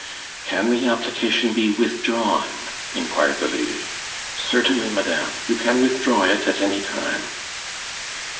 "Can the application be withdrawn?" inquired the lady. "Certainly, madame. You can withdraw it at any time."